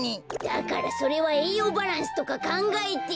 だからそれはえいようバランスとかかんがえて。